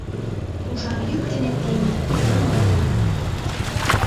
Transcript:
Ужар йӱк дене теме тымык пӧрт.